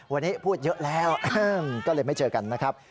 วันนี้พูดเยอะแล้วก็เลยไม่เจอกันนะครับ